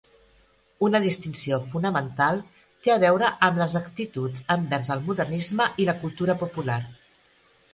Una distinció fonamental té a veure amb les actituds envers el modernisme i la cultura popular.